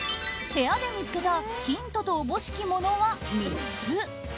部屋で見つけたヒントと思しきものは３つ。